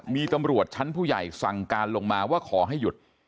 มีตำรวจชั้นผู้ใหญ่สั่งการลงมาว่าขอให้หยุด